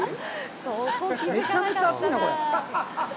めちゃめちゃ熱いなぁ、これ。